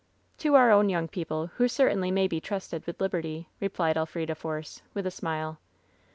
^' "To our own young people, who certainly may be trusted with liberty,^' replied Elfrida Force, with a smile.